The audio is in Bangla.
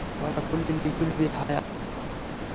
نام كا نام، تخلص كا تخلص ہے امير